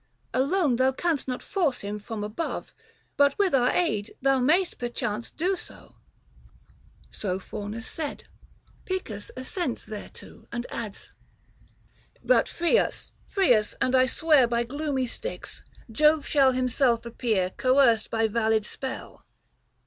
Alone thou canst not force him from above, But with our aid thou may'st perchance do so !" 340 So Faunus said : Picus assents thereto, And adds, " But free us, free us, and I swear By gloomy Styx, Jove shall himself appear Coerced by valid spell."